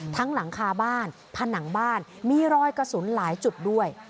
หลังคาบ้านผนังบ้านมีรอยกระสุนหลายจุดด้วย